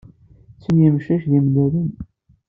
Sin n yimcac d imellalen.